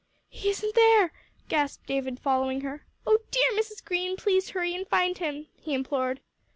"He isn't there," gasped David, following her. "Oh, dear Mrs. Green, please hurry and find him," he implored.